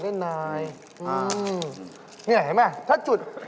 เห็นไหมเพราะสุด